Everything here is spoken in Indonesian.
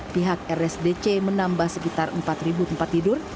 pihak rsdc menambah sekitar empat tempat tidur